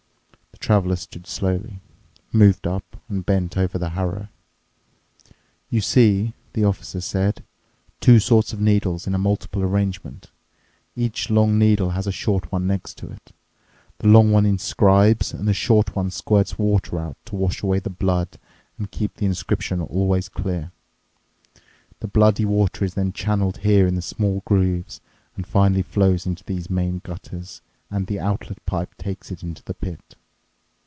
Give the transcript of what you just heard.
The Traveler stood slowly, moved up, and bent over the harrow. "You see," the Officer said, "two sorts of needles in a multiple arrangement. Each long needle has a short one next to it. The long one inscribes, and the short one squirts water out to wash away the blood and keep the inscription always clear. The bloody water is then channeled here in small grooves and finally flows into these main gutters, and the outlet pipe takes it to the pit."